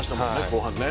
後半。